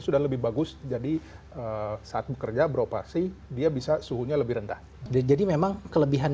sudah lebih bagus jadi saat bekerja beroperasi dia bisa suhunya lebih rendah jadi memang kelebihan